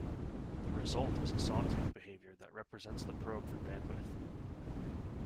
The result is a saw-tooth behavior that represents the probe for bandwidth.